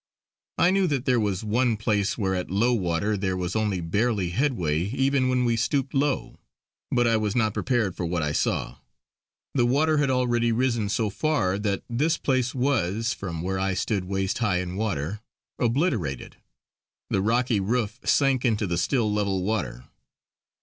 I knew that there was one place where at low water there was only barely headway even when we stooped low; but I was not prepared for what I saw. The water had already risen so far that this place was, from where I stood waist high in water, obliterated; the rocky roof sank into the still, level water.